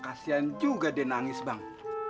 kasian juga dia nangis bang